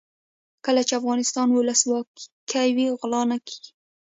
کله چې افغانستان کې ولسواکي وي غلا نه کیږي.